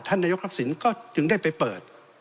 นายกทักษิณก็จึงได้ไปเปิด